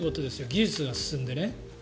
技術が進んで。